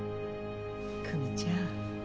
久実ちゃん